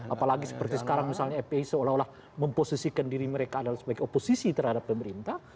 apalagi seperti sekarang misalnya fpi seolah olah memposisikan diri mereka adalah sebagai oposisi terhadap pemerintah